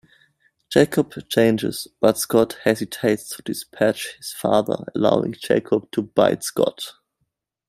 Jacob changes, but Scott hesitates to dispatch his father, allowing Jacob to bite Scott.